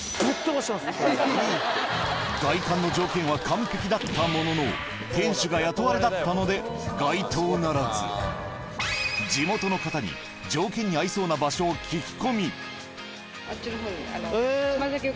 外観の条件は完璧だったものの店主が雇われだったので該当ならず条件に合いそうな場所をあっちのほうに。